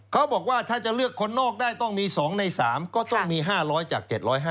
เขาบอกว่าถ้าจะเลือกคนนอกได้ต้องมี๒ใน๓ก็ต้องมี๕๐๐จาก๗๕